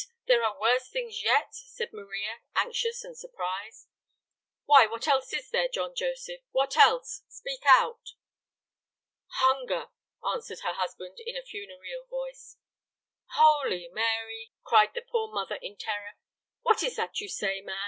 There are worse things yet?" said Maria, anxious and surprised. "Why, what else is there, John Joseph? What else? Speak out." "Hunger!" answered her husband in a funereal voice. "Holy Mary!" cried the poor mother in terror. "What is that you say, man?